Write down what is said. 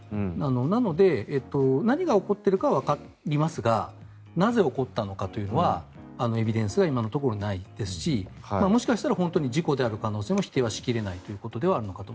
なので、何が起こっているかはわかりますがなぜ、起こったのかというのはエビデンスが今のところないですしもしかしたら本当に事故である可能性は否定し切れないところはあると。